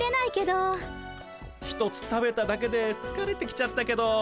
１つ食べただけでつかれてきちゃったけど。